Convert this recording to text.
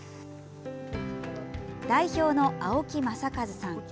代表の青木正和さん。